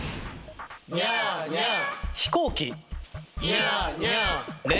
ニャーニャー。